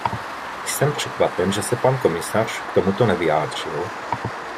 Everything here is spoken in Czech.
Jsem překvapen, že se pan komisař k tomuto nevyjádřil.